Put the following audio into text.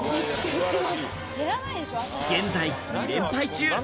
現在２連敗中。